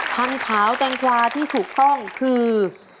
พันธุ์ขาวแตงกวาที่ถูกต้องคือ